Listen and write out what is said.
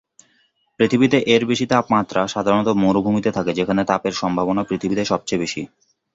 পৃথিবীতে, এর বেশি তাপমাত্রা, সাধারণত মরুভূমিতে থাকে, যেখানে তাপের সম্ভাবনা পৃথিবীতে সবচেয়ে বেশি।